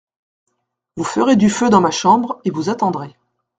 Vous ferez du feu dans ma chambre et vous attendrez.